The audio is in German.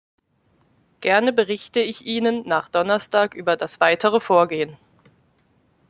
Gerne berichte ich Ihnen nach Donnerstag über das weitere Vorgehen.